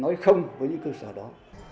nói không với những cơ sở đó